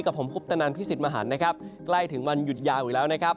กับผมคุปตนันพิสิทธิ์มหันนะครับใกล้ถึงวันหยุดยาวอยู่แล้วนะครับ